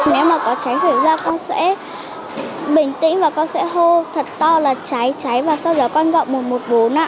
nếu mà có cháy xảy ra con sẽ bình tĩnh và con sẽ hô thật to là cháy cháy và sau đó con gọi